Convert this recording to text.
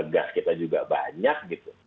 gas kita juga banyak gitu